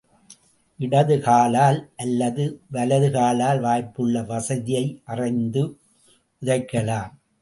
இடது காலால் அல்லது வலது காலால், வாய்ப்புள்ள வசதியை அறிந்து உதைக்கலாம்.